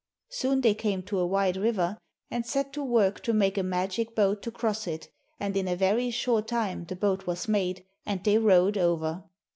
Soon they came to a wide river and set to work to make a magic boat to cross it, and in a very short time the boat was made, and they rowed over.